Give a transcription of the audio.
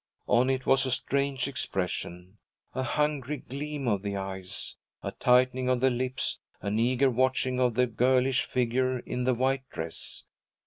On it was a strange expression, a hungry gleam of the eyes, a tightening of the lips, an eager watching of the girlish figure in the white dress.